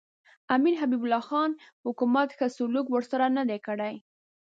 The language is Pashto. امیر حبیب الله خان حکومت ښه سلوک ورسره نه دی کړی.